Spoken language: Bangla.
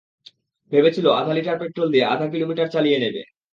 ভেবেছিল আধা লিটার পেট্রোল দিয়ে আধা কিলোমিটার চালিয়ে নেবে।